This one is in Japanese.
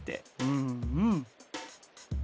うんうん。